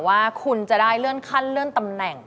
ว่าคุณจะได้เลื่อนขั้นเลื่อนตำแหน่ง